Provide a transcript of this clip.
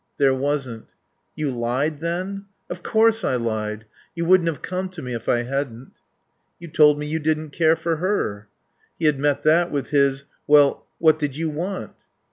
"There wasn't." "You lied, then?" "Of course I lied. You wouldn't have come to me if I hadn't." "You told me you didn't care for her." He had met that with his "Well what did you want?"